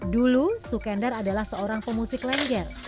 dulu sukender adalah seorang pemusik lengger